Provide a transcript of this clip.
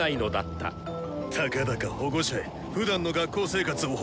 たかだか保護者へふだんの学校生活を報告するだけ！